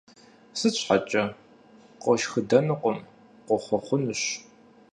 Сыт щхьэкӀэ? Къошхыдэнукъым, къохъуэхъунущ.